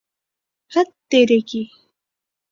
ہت تیرے کی!